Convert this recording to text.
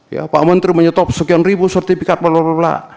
ya pak menteri menyetop sekian ribu sertifikat pengelola